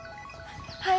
はい。